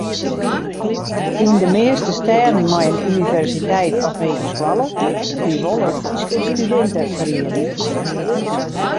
Yn de measte stêden mei in universiteit of hegeskoalle wie wol in Fryske studinteferiening.